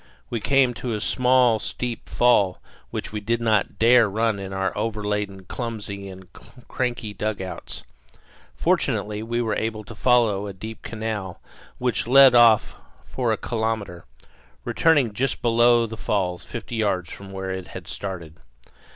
We came to a small steep fall which we did not dare run in our over laden, clumsy, and cranky dugouts. Fortunately, we were able to follow a deep canal which led off for a kilometre, returning just below the falls, fifty yards from where it had started.